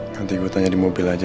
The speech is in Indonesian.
nanti gue tanya di mobil aja